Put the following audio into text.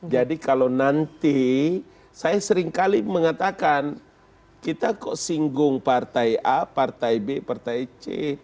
jadi kalau nanti saya seringkali mengatakan kita kok singgung partai a partai b partai c